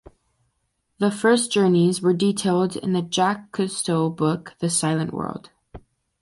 The first journeys were detailed in the Jacques Cousteau book "The Silent World".